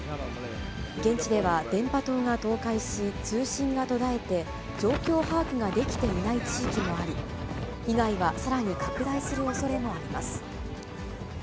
現地では電波塔が倒壊し、通信が途絶えて、状況把握ができていない地域もあり、被害はさらに拡大するおそれもあります。